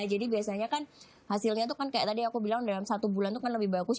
jadi biasanya kan hasilnya tuh kan kayak tadi aku bilang dalam satu bulan tuh kan lebih bagus